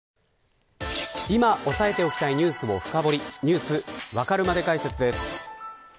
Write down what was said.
今押さえておきたいニュースを深掘りニュースわかるまで解説です。